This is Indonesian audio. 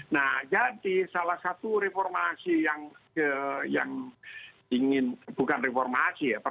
nah jadi salah satu reformasi yang terjadi adalah reformasi kesehatan